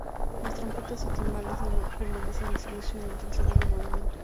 Las trompetas y timbales permanecen en silencio durante el segundo movimiento.